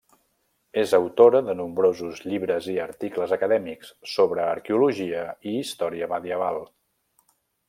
És autora de nombrosos llibres i articles acadèmics sobre arqueologia i història medieval.